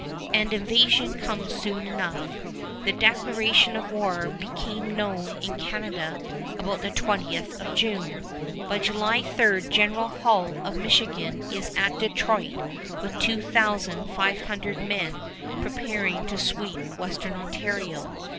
And invasion comes soon enough. The declaration of war became known in Canada about the 20th of June. By July 3 General Hull of Michigan is at Detroit with two thousand five hundred men preparing to sweep western Ontario.